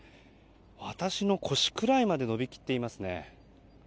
私の腰くらいまで伸び切っていますね。